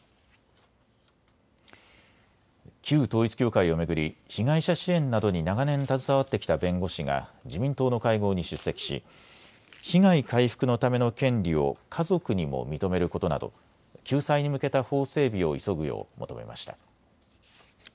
旧統一教会を巡り被害者支援などに長年携わってきた弁護士が自民党の会合に出席し被害回復のための権利を家族にも認めることなど救済に向けた法整備を急ぐよう求めました。